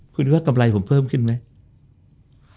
คุณคิดว่ากำไรผมเพิ่มขึ้นไหม